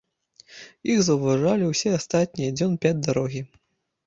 Іх заўважалі ўсе астатнія дзён пяць дарогі.